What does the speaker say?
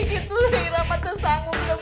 gitu rafa tersanggung